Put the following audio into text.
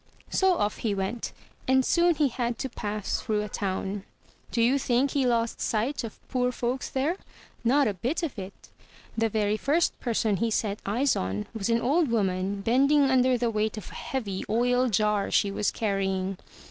So off he went; and soon he had to pass through a town. Do you think he lost sight of poor folks there? Not a bit of it! The very first person he set eyes on was an old woman bending under the weight of a heavy oil jar she was carrying.